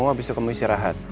abis itu kamu isi rahat